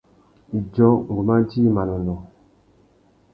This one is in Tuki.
Idjô, ngu mà djï manônōh.